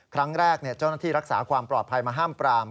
เจ้าหน้าที่รักษาความปลอดภัยมาห้ามปราม